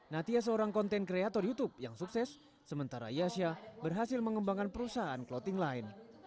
natia seorang konten kreator youtube yang sukses sementara yasya berhasil mengembangkan perusahaan clothing line